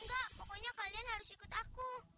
enggak pokoknya kalian harus ikut aku